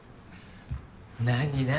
何何？